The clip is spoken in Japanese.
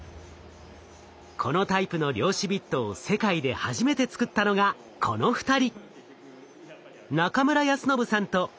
このタイプの量子ビットを世界で初めて作ったのがこの２人。